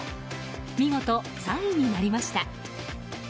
見事、３位になりました。